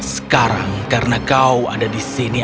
sekarang karena kau ada di sini